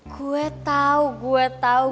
gue tahu gue tahu